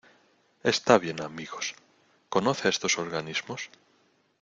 Está bien. Amigos .¿ conoce a estos organismos?